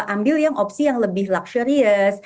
ambil yang opsi yang lebih luxurious